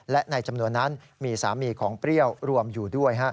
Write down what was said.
และในจำนวนนั้นมีสามีของเปรี้ยวรวมอยู่ด้วย